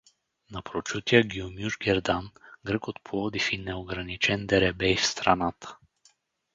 На прочутия Гюмюшгердан, грък от Пловдив и неограничен деребей в страната.